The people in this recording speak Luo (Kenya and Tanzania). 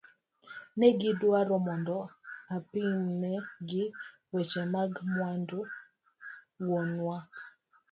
Negi dwaro mondo apimne gi weche mag mwandu wuonwa.